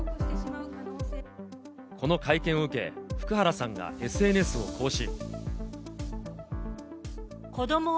この会見を受け、福原さんがＳＮＳを更新。